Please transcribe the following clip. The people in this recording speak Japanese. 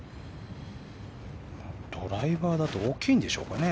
ドライバーだと大きいんでしょうかね。